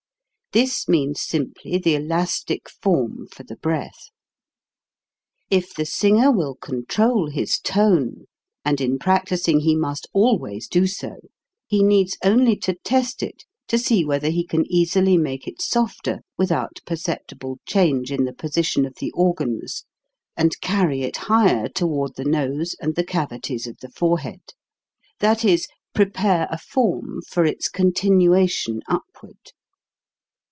This means simply the elastic form, for the breath. 158 HOW TO SING If the singer will control his tone, and in practising he must always do so, he needs only to test it to see whether he can easily make it softer without perceptible change in the position of the organs, and carry it higher toward the nose and the cavities of the fore head ; that is, prepare a form for its continua tion upward.